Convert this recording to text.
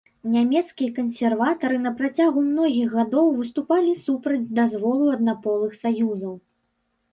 Нямецкія кансерватары на працягу многіх гадоў выступалі супраць дазволу аднаполых саюзаў.